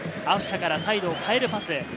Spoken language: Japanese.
アフシャからサイドを変えるパス。